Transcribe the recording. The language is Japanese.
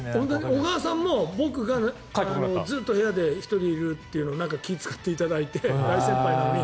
小川さんも僕がずっと部屋で１人でいるというのに気を使っていただいて大先輩なのに。